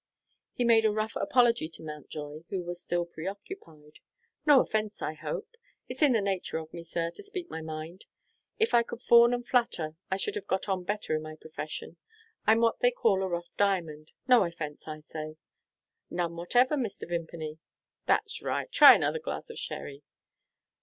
He made a rough apology to Mountjoy, who was still preoccupied. "No offence, I hope? It's in the nature of me, sir, to speak my mind. If I could fawn and flatter, I should have got on better in my profession. I'm what they call a rough diamond. No, offence, I say?" "None whatever, Mr. Vimpany." "That's right! Try another glass of sherry."